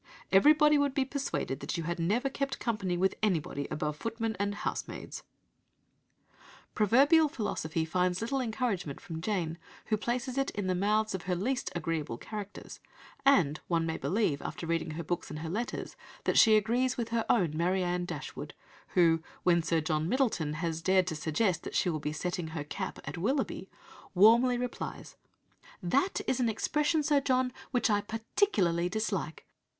... everybody would be persuaded that you had never kept company with anybody above footmen and housemaids." Proverbial philosophy finds little encouragement from Jane, who places it in the mouths of her least agreeable characters, and one may believe, after reading her books and her letters, that she agrees with her own Marianne Dashwood, who, when Sir John Middleton has dared to suggest that she will be "setting her cap" at Willoughby, warmly replies: "That is an expression, Sir John, which I particularly dislike.